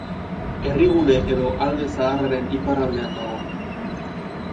Herrigune edo Alde Zaharraren iparraldean dago.